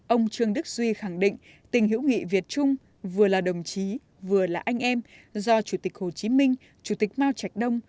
ông trương đức duy khẳng định tình hữu nghị việt trung vừa là đồng chí vừa là anh em do chủ tịch hồ chí minh chủ tịch mao trạch đông